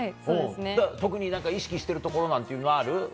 特に意識してるところなんてのはある？